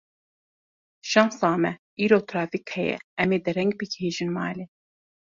Şansa me îro trafîk heye, em ê dereng bigihîjin malê.